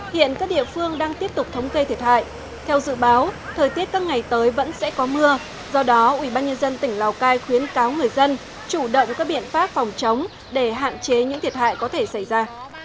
hiện các địa phương đang tiếp tục thống kê thiệt hại theo dự báo thời tiết các ngày tới vẫn sẽ có mưa do đó ubnd tỉnh lào cai khuyến cáo người dân chủ động các biện pháp phòng chống để hạn chế những thiệt hại có thể xảy ra